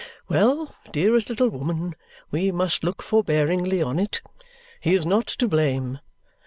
Well, dearest little woman, we must look forbearingly on it. He is not to blame.